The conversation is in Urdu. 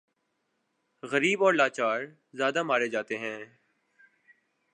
غریب اور لاچار زیادہ مارے جاتے ہیں۔